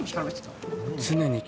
「常に”